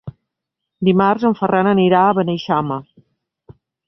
Dimarts en Ferran anirà a Beneixama.